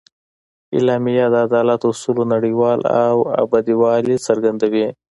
اعلامیه د عدالت اصولو نړیوال او ابدي والي څرګندوي.